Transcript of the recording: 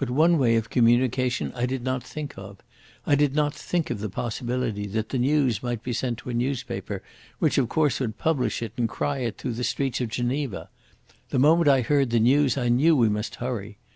But one way of communication I did not think of. I did not think of the possibility that the news might be sent to a newspaper, which of course would publish it and cry it through the streets of Geneva. The moment I heard the news I knew we must hurry.